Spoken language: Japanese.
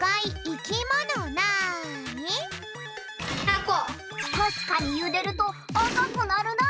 たしかにゆでるとあかくなるな。